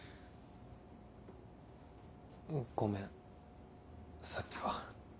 ごめんさっきは。